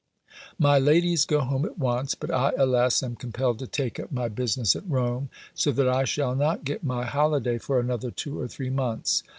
My ladies go home at once, but I, alas, am compelled to take up my business at Rome, so that I shall not get my holiday for another two or three months.